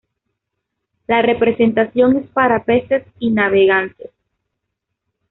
La representación es para peces y navegantes.